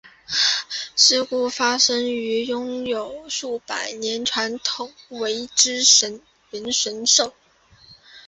故事发生于拥有数百年传统的苇之原神社。